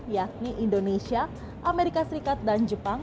yakni indonesia amerika serikat dan jepang